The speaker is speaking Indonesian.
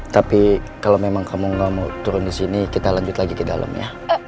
tapi kalau memang kamu ga mau turun disini kita lanjut lagi ke dalam ya